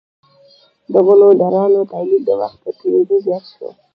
د غلو دانو تولید د وخت په تیریدو زیات شو.